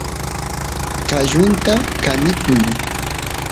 qallunta kanikun